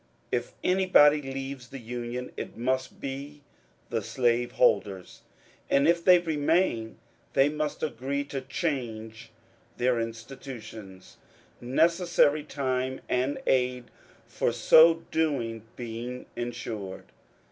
If anybody leaves the Union, it must be the slaveholders. And if they remain they must agree to change their institutions, necessary time and aid for so doing being ensured.